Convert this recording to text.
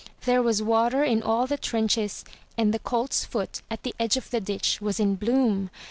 There was water in all the trenches, and the colt*s foot at the edge of the ditch was in bloom.